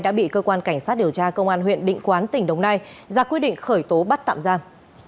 đã bị cơ quan cảnh sát điều tra công an huyện định quán tỉnh đồng nai ra quyết định khởi tố bắt tạm giam